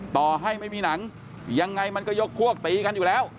ต่อให้ไม่มีหนังยังไงมันก็ยกพวกตีกันอยู่แล้ว